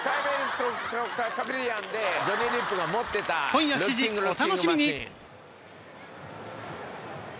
今夜７時、お楽しみに。